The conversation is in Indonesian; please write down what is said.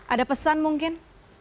ada pesan mungkin